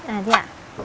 à thế ạ